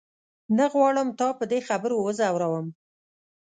نه غواړم تا په دې خبرو وځوروم.